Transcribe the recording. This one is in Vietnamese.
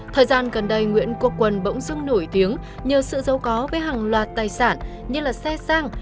thời gian gần đây nguyễn quốc quân bỗng dưng nổi tiếng nhờ sự giấu có với hàng loạt tài sản như xe sang